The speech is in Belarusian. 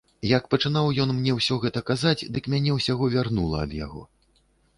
Як пачынаў ён мне ўсё гэта казаць, дык мяне ўсяго вярнула ад яго.